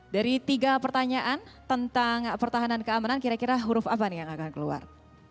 dari tiga pertanyaan tentang pertahanan keamanan kira kira huruf apa nih yang akan keluar